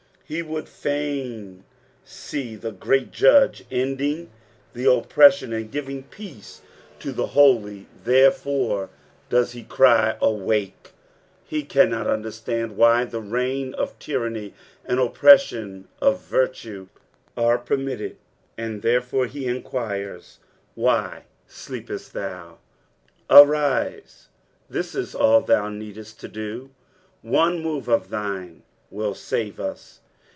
B« would fain see the great Judge ending oppression and giving peace to the holy, PSALM THB KOEIT FOnETH. 341 therefore does he cry " Awake ;" he canaot nmierataDd why the reign of tyramiT and the oppression of virtue are permitted, and therefore be enquires, *' Why steepest thou t" Arite. This is all thou needest to do, one move of thine wilt save ua.